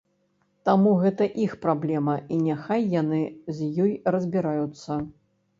Таму гэта іх праблема, і няхай яны з ёй разбіраюцца.